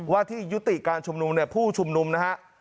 ว่าที่ยุติการชมรุมผู้ชมรุมนะครับ